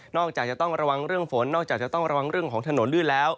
จากจะต้องระวังเรื่องฝนนอกจากจะต้องระวังเรื่องของถนนลื่นแล้ว